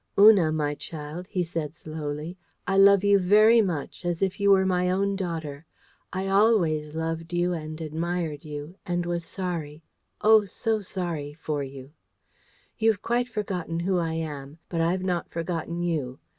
"Una, my child," he said slowly, "I love you very much, as if you were my own daughter. I always loved you and admired you, and was sorry oh, so sorry! for you. You've quite forgotten who I am; but I've not forgotten you.